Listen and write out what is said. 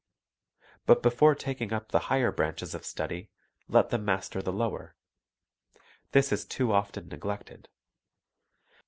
But before taking up the higher branches of study, let them master the lower. This is too often neglected.